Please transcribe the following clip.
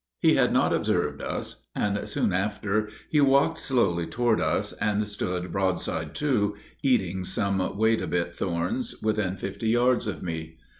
He had not observed us; and soon after he walked slowly toward us, and stood broadside to, eating some wait a bit thorns within fifty yards of me.